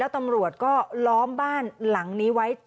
ตำรวจก็ล้อมบ้านหลังนี้ไว้